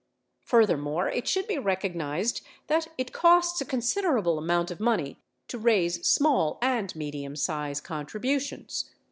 Fur thermore, it should be recognized that it costs a considerable amount of money to raise small and medium size contributions.